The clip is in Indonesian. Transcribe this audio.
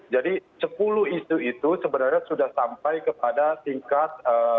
jadi sepuluh isu itu sebenarnya sudah sampai kepada tingkat